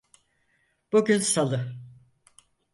Bugün salı.